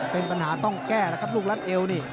เป็นปัญหาต้องแก้แล้วครับลูกรัดเอวนี่